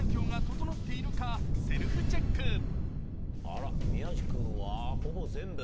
あら宮治君はほぼ全部。